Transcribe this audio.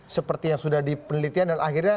seperti yang sudah dipenelitian dan akhirnya